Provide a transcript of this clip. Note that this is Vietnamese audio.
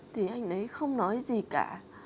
thì anh ấy không nói gì cả